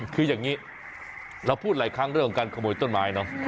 คืออย่างนี้เราพูดหลายครั้งเรื่องของการขโมยต้นไม้เนอะ